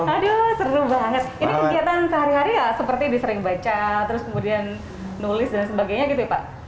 aduh seru banget ini kegiatan sehari hari ya seperti disering baca terus kemudian nulis dan sebagainya gitu ya pak